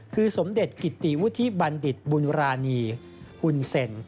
คือสมเด็จกิติวุฒิบัณฑิตบุญรานีหุ่นเซ็น